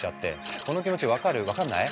この気持ち分かる？分かんない？